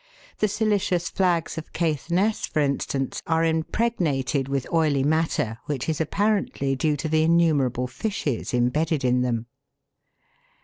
The silicious flags of Caithness, for instance, are impregnated with oily matter which is apparently due to the innumerable fishes embedded in them.